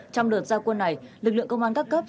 trong đợt giao quân này lực lượng công an các cấp